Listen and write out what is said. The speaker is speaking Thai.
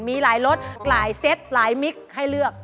มีหลายรสหลายเซตหลายมิกให้เลือก